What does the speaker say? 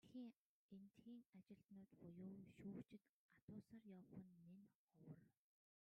Эндэхийн ажилтнууд буюу шүүгчид автобусаар явах нь нэн ховор.